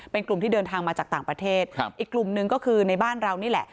เป็นกลุ่มที่เดินทางมาจากต่างประเทศครับอีกกลุ่มหนึ่งก็คือในบ้านเรานี่แหละ